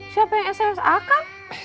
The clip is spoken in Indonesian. siapa yang sms akan